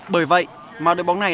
sáu bởi vậy mà đội bóng này